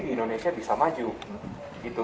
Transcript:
di indonesia bisa maju